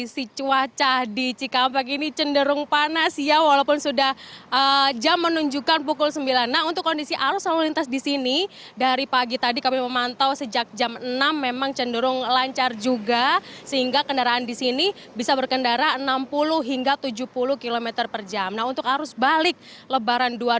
selamat pagi yuda